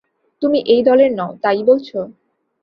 তুমি এই দলের নও, তাই বলছ?